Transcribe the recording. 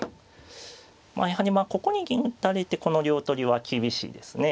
まあやはりここに銀打たれてこの両取りは厳しいですね。